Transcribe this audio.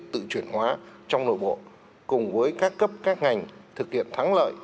tự chuyển hóa trong nội bộ cùng với các cấp các ngành thực hiện thắng lợi